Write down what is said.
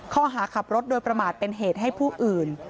ข้อหาขับรถโดยประมาทเป็นเหตุให้ผู้อื่น